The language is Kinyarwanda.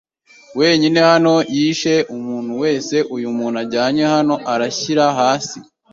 wenyine hano; Yishe 'em, umuntu wese; n'uyu yajyanye hano arashyira hasi